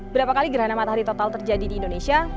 berapa kali gerhana matahari total terjadi di indonesia